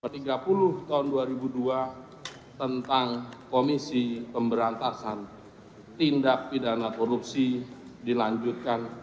nomor tiga puluh tahun dua ribu dua tentang komisi pemberantasan tindak pidana korupsi dilanjutkan